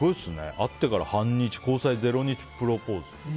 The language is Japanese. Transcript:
会ってから半日交際０日プロポーズ。